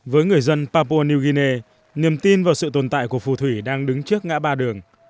với người dân papua new guinea niềm tin vào sự tồn tại của phù thủy đang đứng trước ngã ba đường